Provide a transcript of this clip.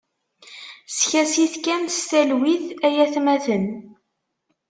Skasit kan s talwit ay atmaten.